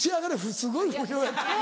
すごい不評やった。